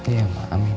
iya mbak amin